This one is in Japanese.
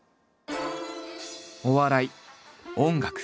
お笑い音楽。